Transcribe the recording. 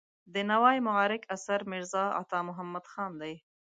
د نوای معارک اثر میرزا عطا محمد خان دی.